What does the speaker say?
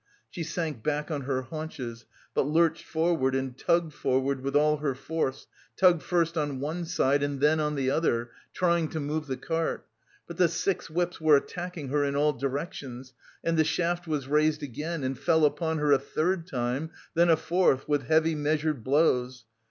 She sank back on her haunches, but lurched forward and tugged forward with all her force, tugged first on one side and then on the other, trying to move the cart. But the six whips were attacking her in all directions, and the shaft was raised again and fell upon her a third time, then a fourth, with heavy measured blows.